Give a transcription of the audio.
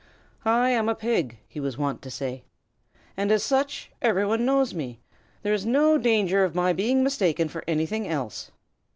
"I am a pig," he was wont to say, "and as such every one knows me. There is no danger of my being mistaken for anything else."